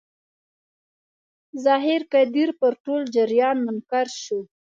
ظاهر قدیر پر ټول جریان منکر شو.